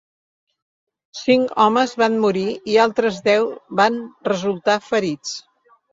Cinc homes van morir i altres deu van resultar ferits.